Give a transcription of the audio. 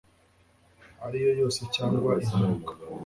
ariyo yose cyangwa impanuka